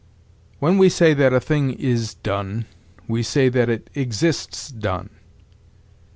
When we say that a thing is done, we say that it exists done....